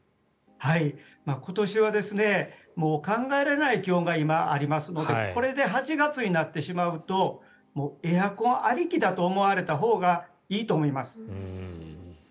今年は考えられない気温がありますのでこれで８月になってしまうともうエアコンありきだと思われたほうがいいと思います。